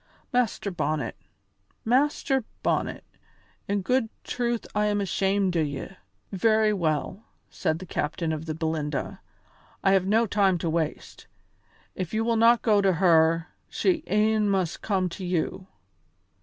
Master Bonnet, Master Bonnet, in good truth I am ashamed o' ye." "Very well," said the captain of the Belinda, "I have no time to waste; if you will not go to her, she e'en must come to you.